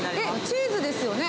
チーズですよね？